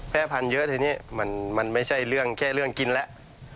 พันธุ์เยอะทีนี้มันไม่ใช่เรื่องแค่เรื่องกินแล้ว